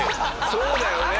そうだよね！